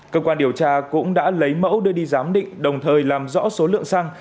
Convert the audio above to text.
cơ quan điều tra cũng đã lấy mẫu đưa đi giám định đồng thời làm rõ số lượng xăng